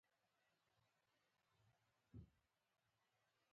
د میربت کلا غلام ګل ګوروان ته خلکو پک غوبه ویل.